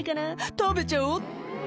食べちゃおう。